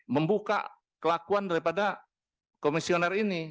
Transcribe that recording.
membuka kelakuan daripada komisioner ini